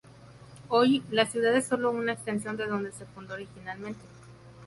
Hoy la ciudad es sólo una extensión de donde se fundó originalmente.